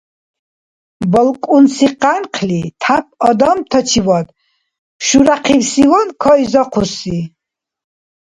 БалкӀунси къянкъли тяп адамтачивад шуряхъибсиван кайзахъурси.